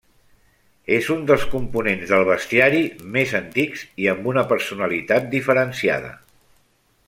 És un dels components del bestiari més antics i amb una personalitat diferenciada.